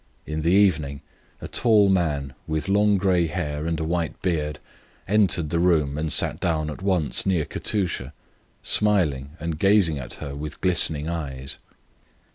In the evening a tall man, with long, grey hair and a white beard, entered the room, and sat down at once near Katusha, smiling and gazing at her with glistening eyes.